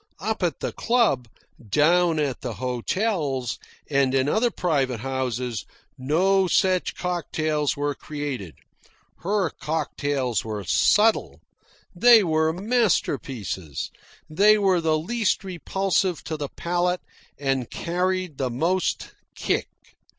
Up at the club, down at the hotels, and in other private houses, no such cocktails were created. Her cocktails were subtle. They were masterpieces. They were the least repulsive to the palate and carried the most "kick."